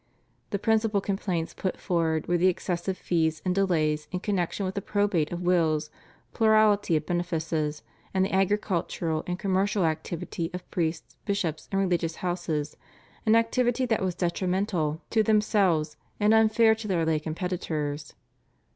The principal complaints put forward were the excessive fees and delays in connection with the probate of wills, plurality of benefices, and the agricultural and commercial activity of priests, bishops, and religious houses, an activity that was detrimental to themselves and unfair to their lay competitors.